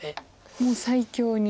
もう最強に。